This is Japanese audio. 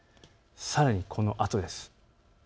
さらにこのあとです。